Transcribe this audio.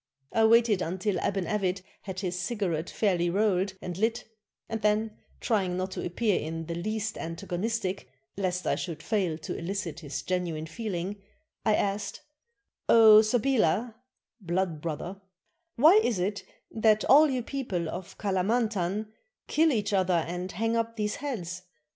I waited until Aban Avit had his cigarette fairly rolled and lit, and then, trying not to appear in the least antagonistic, lest I should fail to elicit his genuine feeling, I asked, "0 Sabilah [blood brother], why is it that all you people of Kalamantan kill each other and hang up these heads?